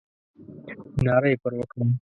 ناره یې پر وکړه.